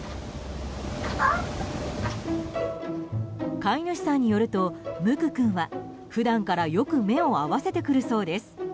飼い主さんによると、むく君は普段からよく目を合わせてくるそうです。